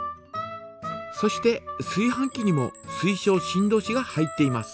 そしてすい飯器にも水晶振動子が入っています。